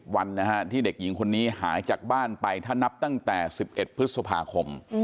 วันที่เด็กหญิงคนนี้หายจากบ้านไปถ้านับตั้งแต่๑๑พฤษภาคม